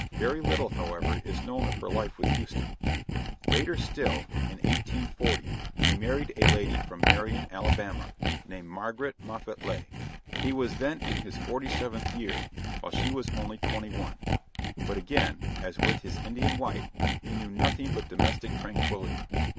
Very little, however, is known of her life with Houston. Later still in 1840 he married a lady from Marion, Alabama, named Margaret Moffette Lea. He was then in his forty seventh year, while she was only twenty one; but again, as with his Indian wife, he knew nothing but domestic tranquillity.